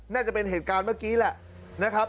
น่าจะเป็นเหตุการณ์เมื่อกี้แหละนะครับ